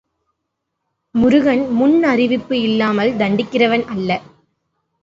முருகன் முன் அறிவிப்பு இல்லாமல் தண்டிக்கிறவன் அல்ல.